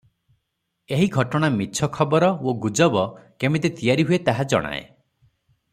ଏହି ଘଟଣା ମିଛ ଖବର ଓ ଗୁଜବ କେମିତି ତିଆରି ହୁଏ ତାହା ଜଣାଏ ।